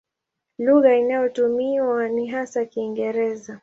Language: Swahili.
Lugha inayotumiwa ni hasa Kiingereza.